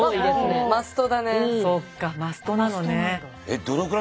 そっかマストなのね。